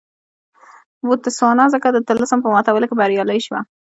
بوتسوانا ځکه د طلسم په ماتولو کې بریالۍ شوه.